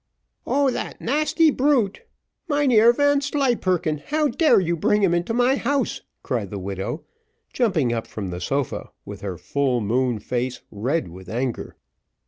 "O that nasty brute! Mynheer Vanslyperken, how dare you bring him into my house?" cried the widow, jumping up from the sofa, with her full moon face red with anger.